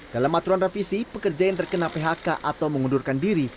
dalam aturan revisi pekerja yang terkena phk atau mengundurkan diri